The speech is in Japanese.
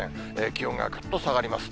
気温がぐっと下がります。